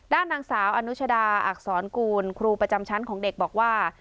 ด้านนางสาวอนุชดาอักษรกูลครูประจำชั้นของเด็กบอกว่า